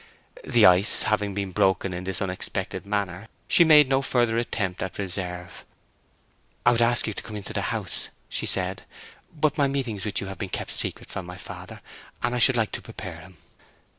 The ice having been broken in this unexpected manner, she made no further attempt at reserve. "I would ask you to come into the house," she said, "but my meetings with you have been kept secret from my father, and I should like to prepare him."